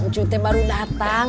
ncutnya baru datang